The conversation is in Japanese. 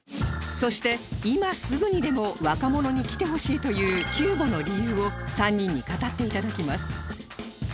そして今すぐにでも若者に来てほしいという急募の理由を３人に語って頂きます